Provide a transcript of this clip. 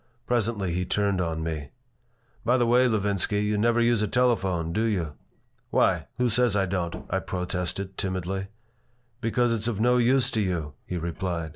Presently he turned on me "By the way, Levinsky, you never use a telephone, do you?" "Why? Who says I don't?" I protested, timidly "Because it's of no use to you," he replied.